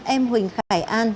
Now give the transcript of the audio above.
em huỳnh khải an